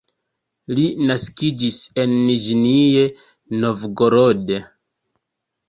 Li naskiĝis en Niĵnij Novgorod.